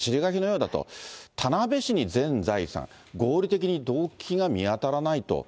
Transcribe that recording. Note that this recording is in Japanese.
なんか走り書きのようだと、田辺市に全財産、合理的に動機が見つからないと。